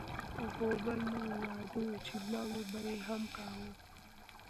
غوبل نه و، واده و چې لو به یې هم کاوه.